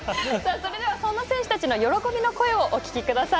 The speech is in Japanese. それではそんな選手たちの喜びの声をお聞きください。